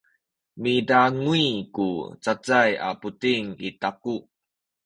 midanguy ku cacay a buting i taku.